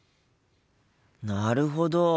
なるほど！